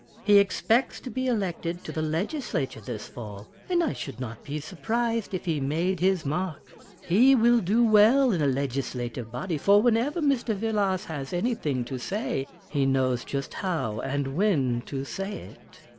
He expects to be elected to the legislature this fall, and I should not be surprised if he made his mark. He will do well in a legislative body, for whenever Mr. Vilars has anything to say he knows just how and when to say it."